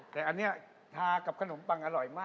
แต่อันนี้ทากับขนมปังอร่อยมาก